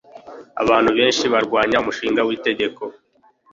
abantu benshi barwanya umushinga w'itegeko